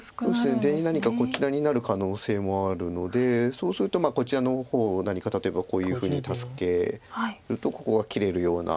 出に何かこちらになる可能性もあるのでそうするとこちらの方を何か例えばこういうふうに助けるとここが切れるような。